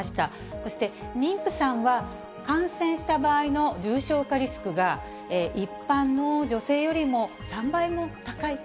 そして妊婦さんは、感染した場合の重症化リスクが、一般の女性よりも３倍も高いと。